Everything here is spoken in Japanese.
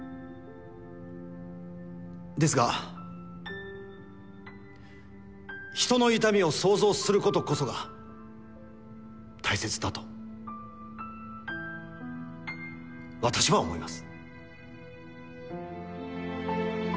ですが人の痛みを想像することこそが大切だと私は思います。